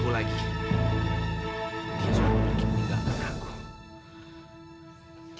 dia sudah pergi meninggalkan aku